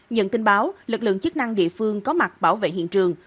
nhận tin báo lực lượng chức năng địa phương có mặt bảo vệ hiện trường